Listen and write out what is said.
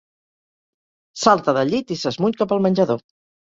Salta del llit i s'esmuny cap al menjador.